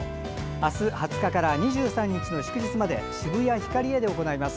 あす２０日から２３日の祝日まで渋谷ヒカリエで行います。